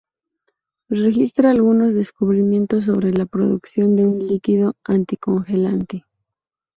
Registra algunos descubrimientos sobre la producción de un líquido anticongelante.